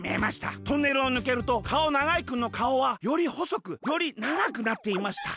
トンネルをぬけるとかおながいくんのかおはよりほそくよりながくなっていました。